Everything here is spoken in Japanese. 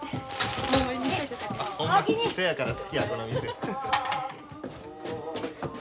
せやから好きやこの店。